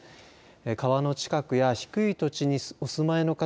川の近くや低い土地にお住まいの方